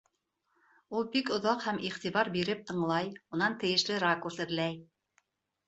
Ул бик оҙаҡ һәм иғтибар биреп тыңлай, унан тейешле ракурс эҙләй.